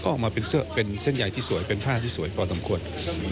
ก็ออกมาเป็นเส้นใหญ่ที่สวยเป็นผ้าที่สวยพอสมควร